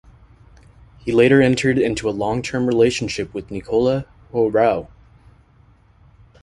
He later entered a long-term relationship with Nicola Hoarau.